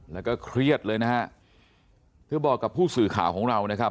แล้วก็เครียดเลยนะฮะเธอบอกกับผู้สื่อข่าวของเรานะครับ